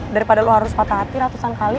daripada lo harus patah hati ratusan kali